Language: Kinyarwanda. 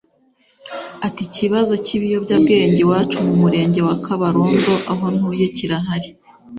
Ati “Ikibazo cy’ibiyobyabwenge iwacu mu Murenge wa Kabarondo aho ntuye kirahari